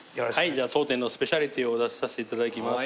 じゃあ当店のスペシャリティーをお出しさせて頂きます。